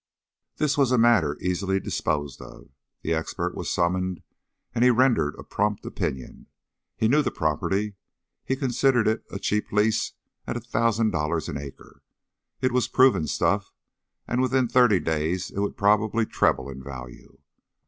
This was a matter easily disposed of; the expert was summoned and he rendered a prompt opinion. He knew the property; he considered it a cheap lease at a thousand dollars an acre. It was proven stuff and within thirty days it would probably treble in value.